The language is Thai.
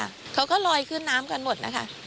เลยกำลังลอยขึ้นน้ำกันหมดครับ